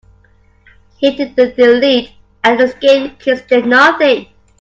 Hitting the delete and escape keys did nothing.